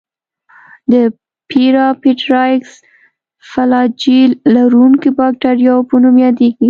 د پېرایټرایکس فلاجیل لرونکو باکتریاوو په نوم یادیږي.